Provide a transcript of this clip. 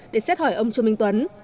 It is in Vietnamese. để xét hỏi ông trương minh tuấn